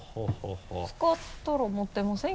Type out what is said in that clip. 使ったら持てません？